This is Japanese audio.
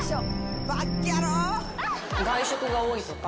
外食が多いとか。